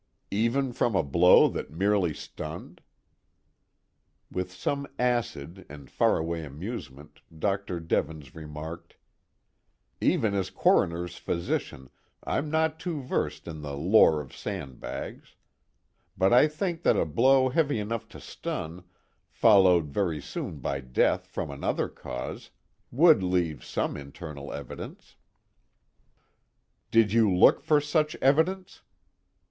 "Even from a blow that merely stunned?" With some acid and faraway amusement Dr. Devens remarked: "Even as Coroner's physician, I'm not too versed in the lore of sandbags. But I think that a blow heavy enough to stun, followed very soon by death from another cause, would leave some internal evidence." "Did you look for such evidence?"